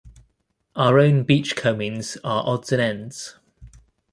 Our own beachcombings are odds and ends.